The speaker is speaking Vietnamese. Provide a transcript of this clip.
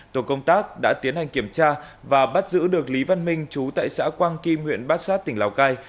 tổ công tác đã tiến hành kiểm tra và bắt giữ được lý văn minh chú tại xã quang kim huyện bát sát tỉnh lào cai